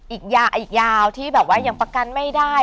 อีกยาวที่แบบว่ายังประกันไม่ได้